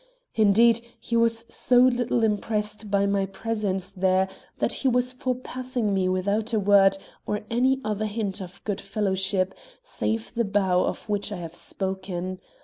Indeed, he was so little impressed by my presence there that he was for passing me without a word or any other hint of good fellowship, save the bow of which I have spoken.